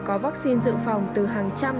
có vaccine dự phòng từ hàng trăm